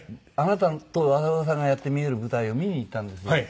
あなたと浅丘さんがやってみえる舞台を見に行ったんですよ。